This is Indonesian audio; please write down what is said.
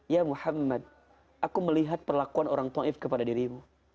ya muhammad aku melihat perlakuan orang ta'if kepada dirimu